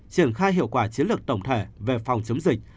triển khai hiệu quả chiến lược tổng thể về phòng chống dịch